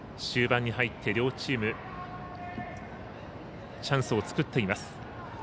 終盤に入って両チームチャンスを作っています。